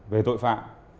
về tội phạm